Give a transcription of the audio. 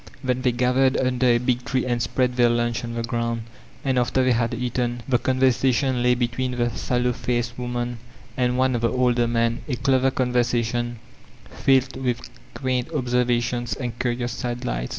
Then they gathered under a big tree and spread their lunch on the ground. And after they had eaten» the conversation lay between the sallow faced woman and one of the older men, a clever con v ersation filled with quaint observations and curious sidelights.